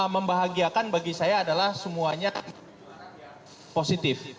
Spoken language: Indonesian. membahagiakan bagi saya adalah semuanya positif